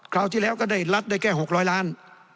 คราวที่แล้วก็ได้รัฐได้แค่๖๐๐ล้าน